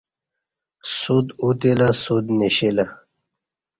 سوت اوتیلہ سوت نشیلہ